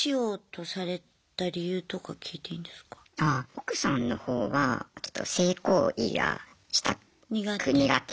奥さんの方はちょっと性行為がしたく苦手。